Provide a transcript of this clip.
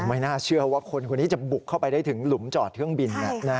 ไม่น่าเชื่อว่าคนคนนี้จะบุกเข้าไปได้ถึงหลุมจอดเครื่องบิน